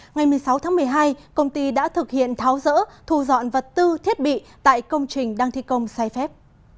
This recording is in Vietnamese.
ngày một mươi sáu tháng một mươi hai công ty đã thực hiện tháo rỡ thu dọn vật tư thiết bị tại công trình đang thi công sai phép